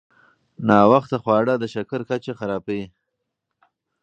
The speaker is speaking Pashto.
ناوخته خواړه د شکر کچه خرابوي.